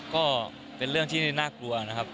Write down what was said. ก็เป็นเรื่องที่น่ากลัวนะครับ